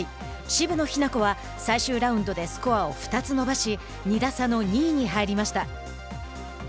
渋野日向子は最終ラウンドでスコアを２つ伸ばし２打差の２位に入りました。